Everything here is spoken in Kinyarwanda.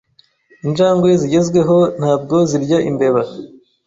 Injangwe zigezweho ntabwo zirya imbeba.